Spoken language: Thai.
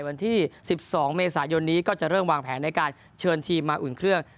วันที่๑๒เมษายนนี้ก็จะเริ่มวางแผนในการเชิญทีมมาอุ่นเครื่อง